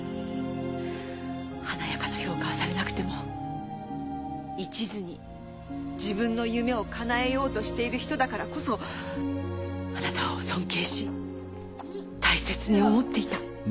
華やかな評価はされなくても一途に自分の夢を叶えようとしている人だからこそあなたを尊敬し大切に思っていた。